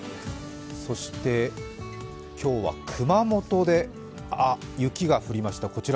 そして今日は熊本で雪が降りました。